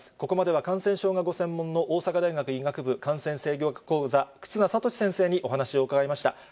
ここまでは感染症がご専門の、大阪大学医学部感染制御講座、忽那賢志先生にお話を伺いました。